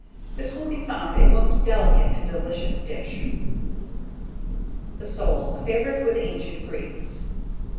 This will be found a most delicate and delicious dish. THE SOLE A FAVOURITE WITH THE ANCIENT GREEKS.